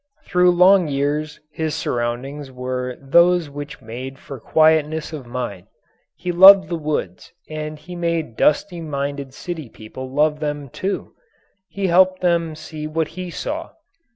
Through long years his surroundings were those which made for quietness of mind. He loved the woods and he made dusty minded city people love them, too he helped them see what he saw.